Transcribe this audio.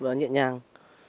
và nhẹ nhàng